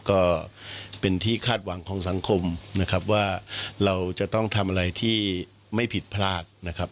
ก็เป็นที่คาดหวังของสังคมนะครับว่าเราจะต้องทำอะไรที่ไม่ผิดพลาดนะครับ